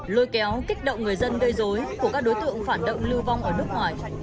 lôi kéo kích động người dân gây dối của các đối tượng phản động lưu vong ở nước ngoài